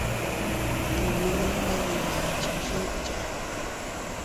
Tomene nwe dii bakchi yiʼya.